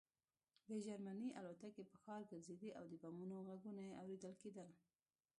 د جرمني الوتکې په ښار ګرځېدې او د بمونو غږونه اورېدل کېدل